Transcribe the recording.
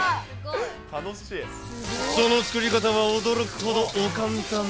その作り方は驚くほど簡単。